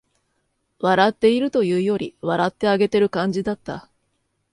笑っているというより、笑ってあげてる感じだった